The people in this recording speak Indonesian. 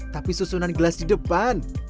tapi susunan gelas di depan